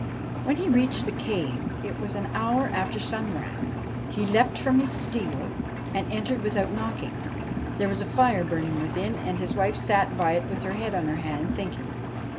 When he reached the cave it was an hour after sunrise. He leapt from his steed and entered without knocking. There was a fire burning within, and his wife sat by it with her head on her hand, thinking.